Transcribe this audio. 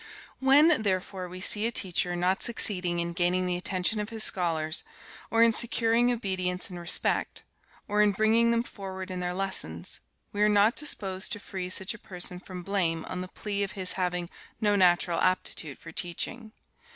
When, therefore, we see a teacher not succeeding in gaining the attention of his scholars, or in securing obedience and respect, or in bringing them forward in their lessons, we are not disposed to free such a person from blame on the plea of his having no natural aptitude for teaching.